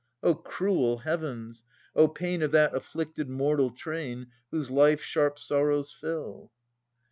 O cruel Heavens! O pain Of that afflicted mortal train Whose life sharp sorrows fill!